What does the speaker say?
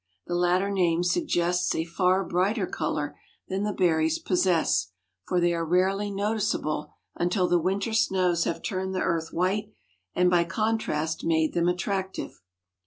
The latter name suggests a far brighter color than the berries possess, for they are rarely noticeable until the winter snows have turned the earth white and by contrast made them attractive.